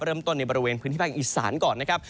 ในบริเวณพื้นที่ภาคอีสานก่อนนะครับ